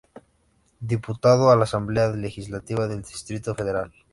Diputado a la Asamblea Legislativa del Distrito Federal.